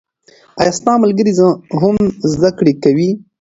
آیا ستا ملګري هم زده کړې کوي؟